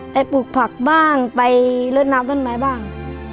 ปลูกผักบ้างไปลดน้ำต้นไม้บ้าง